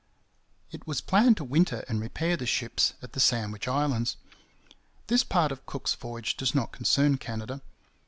It was planned to winter and repair the ships at the Sandwich Islands. This part of Cook's voyage does not concern Canada.